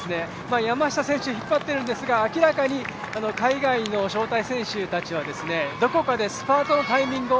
山下選手引っ張っていますが、明らかに海外の招待選手はどこかでスパートのタイミングを